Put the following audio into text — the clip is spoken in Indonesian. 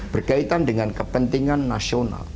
berkaitan dengan kepentingan nasional